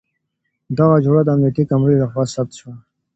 دغه جوړه د امنيتي کمرې له خوا ثبت شوه.